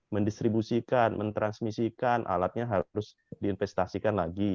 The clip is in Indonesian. mendistribusikan mentransmisikan alatnya harus diinvestasikan lagi